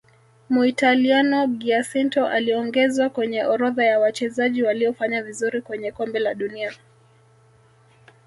muitaliano giacinto aliongezwa kwenye orodha ya wachezaji waliofanya vizuri kwenye Kombe la dunia